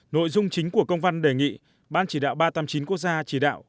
nội dung chính của công văn đề nghị ban chỉ đạo ba trăm tám mươi chín quốc gia chỉ đạo